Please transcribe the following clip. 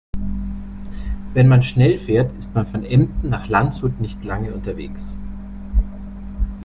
Wenn man schnell fährt, ist man von Emden nach Landshut nicht lange unterwegs